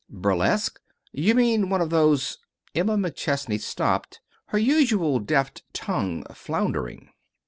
"Burlesque? You mean one of those " Emma McChesney stopped, her usually deft tongue floundering.